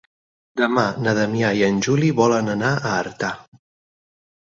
Demà na Damià i en Juli volen anar a Artà.